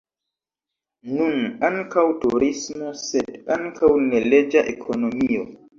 Nun ankaŭ turismo, sed ankaŭ neleĝa ekonomio.